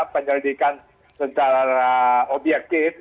penyelidikan secara objektif